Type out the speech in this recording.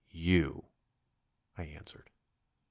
"You," I answered.